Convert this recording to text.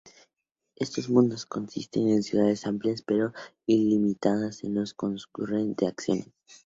Estos mundos consisten ciudades amplias pero limitadas en los que transcurren las acciones.